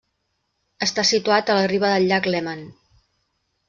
Està situat a la riba del Llac Léman.